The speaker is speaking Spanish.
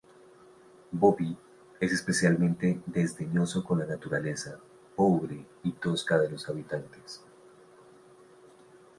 Bobby es especialmente desdeñoso con la naturaleza pobre y tosca de los habitantes.